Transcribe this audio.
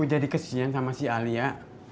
udah dikesian sama si alia